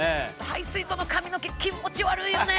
排水溝の髪の毛気持ち悪いよね。